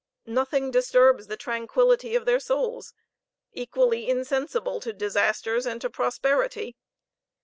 Nothing disturbs the tranquillity of their souls, equally insensible to disasters and to prosperity.